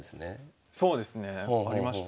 そうですね。ありましたね。